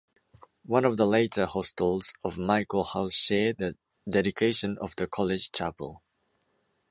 One of the later Hostels of Michaelhouse shared the dedication of the College chapel.